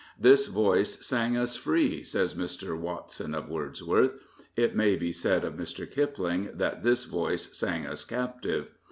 " This voice sang us free," says Mr. Watson of Wordsworth. It may be said of Mr. Kipling that " this voice sang us captive."